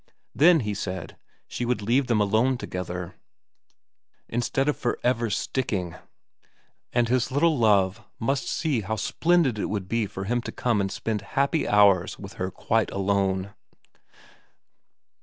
Then, he said, she would leave them alone together, instead of for ever sticking ; and his little love must see how splendid it would be for him to come and spend happy hours with her quite alone.